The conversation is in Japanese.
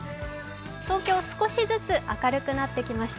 東京、少しずつ明るくなってきました。